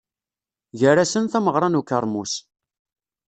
Gar-asen, tameɣra n ukermus.